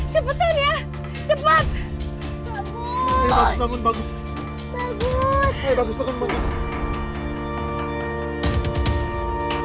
cepetan ya cepet